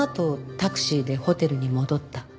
タクシーでホテルに戻った。